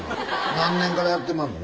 何年からやってまんの？